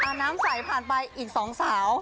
น้ำใสผ่านไปอีกสองสาว